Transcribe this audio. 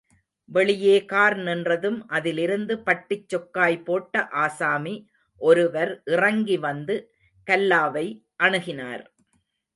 வெளியே கார் நின்றதும், அதிலிருந்து பட்டுச் சொக்காய் போட்ட ஆசாமி ஒருவர் இறங்கி வந்து, கல்லாவை அணுகினார்.